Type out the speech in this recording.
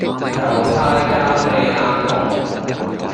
猶太教莉亞堂